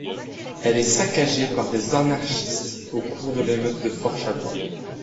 Elle est saccagée le par des anarchistes au cours de l'émeute de Fort Chabrol.